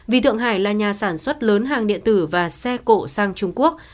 vì thượng hải là nhà sản xuất lớn hàng điện tử và xe cộ sang trung quốc